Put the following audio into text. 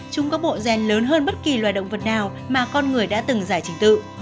chúng có bộ gen lớn hơn bất kỳ loài động vật nào mà con người đã từng giải trình tự